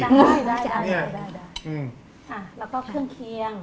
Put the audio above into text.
แล้วก็เครื่องเคียง